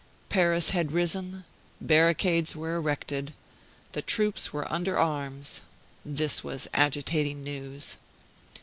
Paris had risen; barricades were erected. The troops were under arms. This was agitating news.